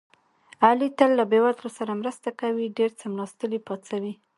علي له تل له بې وزلو سره مرسته کوي. ډېر څملاستلي پاڅوي.